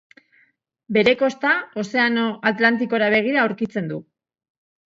Bere kosta Ozeano Atlantikora begira aurkitzen du.